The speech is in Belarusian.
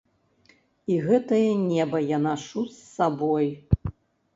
І гэтае неба я нашу з сабой.